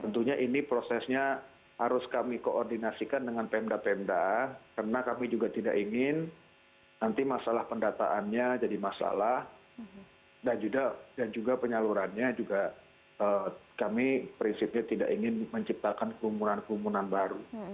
tentunya ini prosesnya harus kami koordinasikan dengan pemda pemda karena kami juga tidak ingin nanti masalah pendataannya jadi masalah dan juga penyalurannya juga kami prinsipnya tidak ingin menciptakan kerumunan kerumunan baru